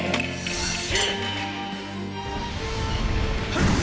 はっ！